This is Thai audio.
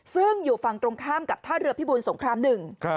ซึ่งอยู่ฝั่งตรงข้ามกับท่าเรือพิบูรสงครามหนึ่ง